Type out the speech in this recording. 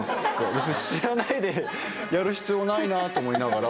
別に知らないでやる必要ないなって思いながら。